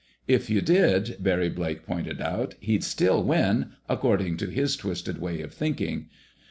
"If you did," Barry Blake pointed out, "he'd still win, according to his twisted way of thinking.